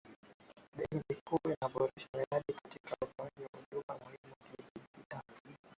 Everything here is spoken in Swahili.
benki kuu inaboresha miradi katika utoaji wa huduma muhimu kidigitali